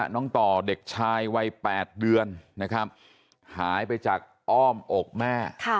น้องต่อเด็กชายวัย๘เดือนนะครับหายไปจากอ้อมอกแม่